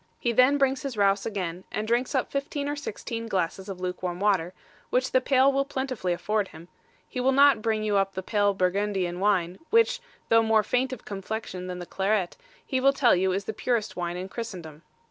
He then brings his rouse again, and drinks up fifteen or sixteen glasses of luke warm water, which the pail will plentifully afford him: he will not bring you up the pale Burgundian wine, which, though more faint of complexion than the claret, he will tell you is the purest wine in Christendom.